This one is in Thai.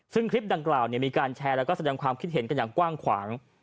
ซึ่งคลิปดังกล่าวมีการแชร์แล้วก็แสดงความคิดเห็นกันอย่างกว้างขวาง